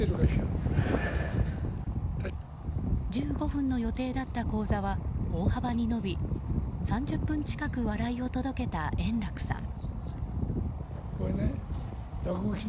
１５分の予定だった高座は大幅に延び３０分近く笑いを届けた円楽さん。